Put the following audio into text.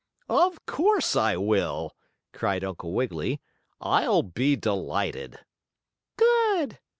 "Of course I will!" cried Uncle Wiggily. "I'll be delighted." "Good!"